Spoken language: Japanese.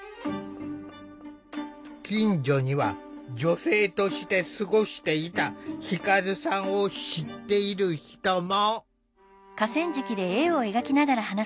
近所には女性として過ごしていた輝さんを知っている人も。